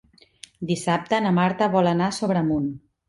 Dissabte na Marta vol anar a Sobremunt.